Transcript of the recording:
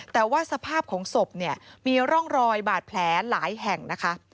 แต่ว่าสภาพของศพเนี่ยมีร่องรอยบาดแผลหลายแห่งนะคะ